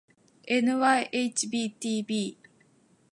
ｎｙｈｂｔｂ